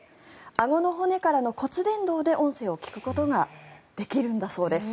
あごの骨からの骨伝導で音声を聞くことができるんだそうです。